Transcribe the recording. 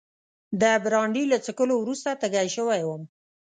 د برانډي له څښلو وروسته تږی شوی وم.